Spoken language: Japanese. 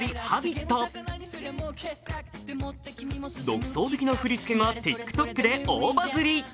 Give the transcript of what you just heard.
独創的な振り付けが、ＴｉｋＴｏｋで大バズり。